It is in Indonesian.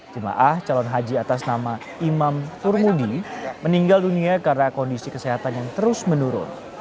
jemaah calon haji atas nama imam furmudi meninggal dunia karena kondisi kesehatan yang terus menurun